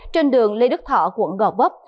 trên đường lê đức thọ quận gò vấp